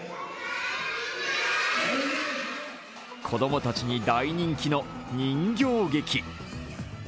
子供たちに大人気の人形劇。